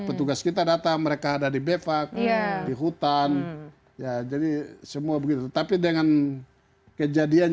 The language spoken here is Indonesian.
petugas kita datang mereka ada di bevak di hutan ya jadi semua begitu tapi dengan kejadian